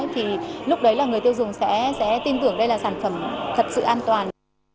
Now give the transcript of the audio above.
thì lúc đấy là người tiêu dùng sẽ tin tưởng đây là sản phẩm thật sự an toàn